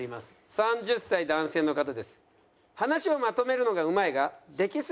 ３０歳男性の方です。